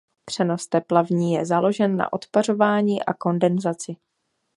Přenos tepla v ní je založen na odpařování a kondenzaci.